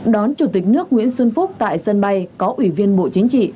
đón chủ tịch nước nguyễn xuân phúc tại sân bay có ủy viên bộ chính trị